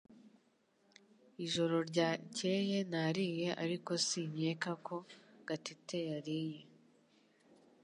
Ijoro ryakeye nariye ariko sinkeka ko Gatete yariye